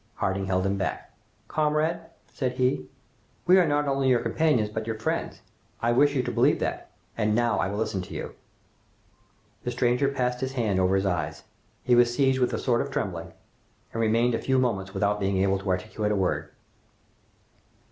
Harding held him back. "Comrade," said he, "we are not only your companions but your friends. I wish you to believe that, and now I will listen to you." The stranger pressed his hand over his eyes. He was seized with a sort of trembling, and remained a few moments without being able to articulate a word.